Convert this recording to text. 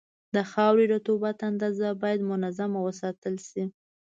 د خاورې رطوبت اندازه باید منظمه وساتل شي.